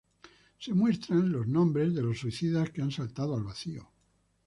Se muestran los nombres de los suicidas que han saltado al vacío.